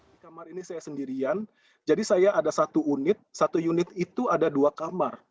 di kamar ini saya sendirian jadi saya ada satu unit satu unit itu ada dua kamar